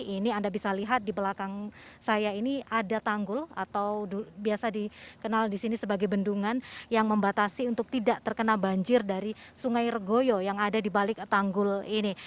ini anda bisa lihat di belakang saya ini ada tanggul atau biasa dikenal di sini sebagai bendungan yang membatasi untuk tidak terkena banjir dari sungai regoyo yang ada di balik tanggul ini